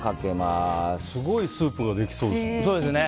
すごいスープができそうですね。